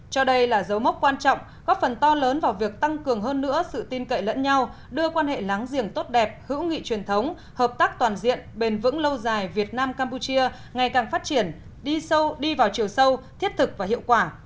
cho đây là dấu mốc quan trọng góp phần to lớn vào việc tăng cường hơn nữa sự tin cậy lẫn nhau đưa quan hệ láng giềng tốt đẹp hữu nghị truyền thống hợp tác toàn diện bền vững lâu dài việt nam campuchia ngày càng phát triển đi sâu đi vào chiều sâu thiết thực và hiệu quả